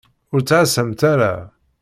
Ur ttɛasamt ara.